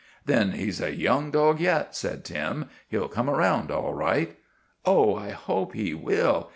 " Then he 's a young dog yet," said Tim. " He '11 come around all right." " Oh, I hope he will.